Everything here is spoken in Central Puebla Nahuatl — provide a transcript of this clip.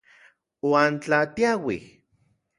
¿Uan tla tiauij...?